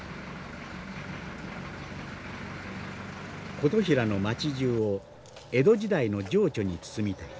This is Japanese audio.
「琴平の町じゅうを江戸時代の情緒に包みたい」。